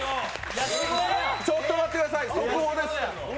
ちょっと待ってください速報です！